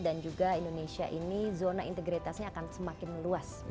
dan juga indonesia ini zona integritasnya akan semakin luas